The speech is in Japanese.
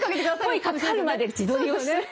声かかるまで自撮りをする。